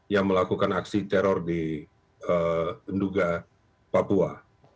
yang melakukan aksi teror di nduga papua